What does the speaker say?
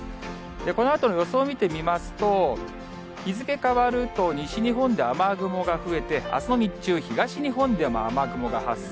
このあとの予想見てみますと、日付変わると、西日本で雨雲が増えて、あすの日中、東日本でも雨雲が発生。